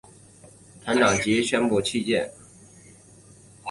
船长随即宣布弃舰。